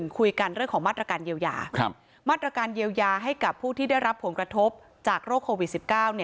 คุยกันเรื่องของมาตรการเยียวยามาตรการเยียวยาให้กับผู้ที่ได้รับผลกระทบจากโรคโควิด๑๙